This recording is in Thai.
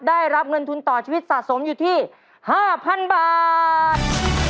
ได้รับเงินทุนต่อชีวิตสะสมอยู่ที่๕๐๐๐บาท